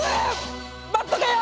待っとけよ！